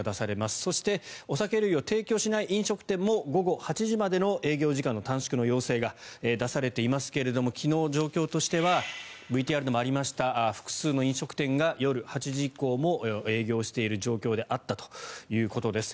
そしてお酒類を提供しない飲食店も午後８時までの営業時間の短縮要請が出されていますが昨日の状況としてはＶＴＲにもありましたが複数の飲食店が夜８時以降も営業している状況だったということです。